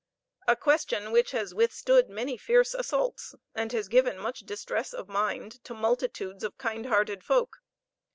a question which has withstood many fierce assaults, and has given much distress of mind to multitudes of kind hearted folk.